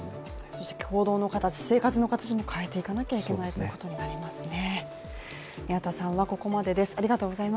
そして行動の形、生活の形も変えていかないといけないということになりますね。